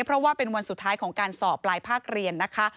เพราะว่าเป็นวันสุดท้ายของการสอบปลายภาคเรียนนะคะ